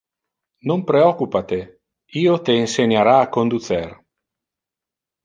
Non preoccupa te! Io te inseniara a conducer.